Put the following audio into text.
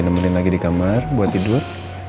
nemenin lagi di kamar buat tidur